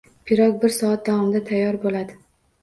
Pirog bir soat davomida tayyor bo‘ladi